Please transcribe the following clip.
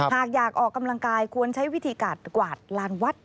หากอยากออกกำลังกายควรใช้วิธีการกวาดลานวัด